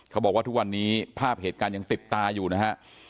เขาบอกว่าทุกวันนี้ภาพเหตุการณ์ยังติดตาอยู่นะฮะ